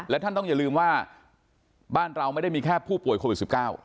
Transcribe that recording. และท่านต้องอย่าลืมว่าบ้านเราไม่ได้มีแค่ผู้ป่วยโควิด๑๙